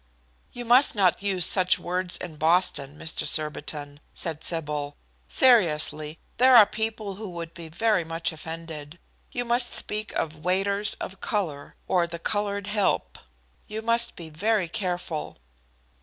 '" "You must not use such words in Boston, Mr. Surbiton," said Sybil. "Seriously, there are people who would be very much offended. You must speak of 'waiters of color,' or 'the colored help;' you must be very careful."